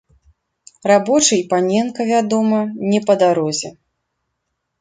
Рабочы і паненка, вядома, не па дарозе.